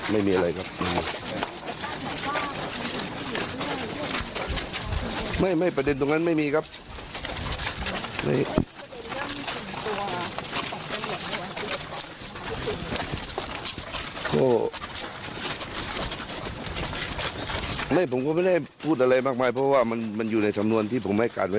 ไม่มีอะไรครับก็คือเป็นไงครับจากการออกมาคำว่าที่ยังไม่รู้ที่นักใจ